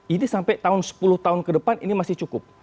ini sampai tahun sepuluh tahun ke depan ini masih cukup